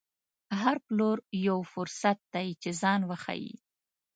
هر پلور یو فرصت دی چې ځان وښيي.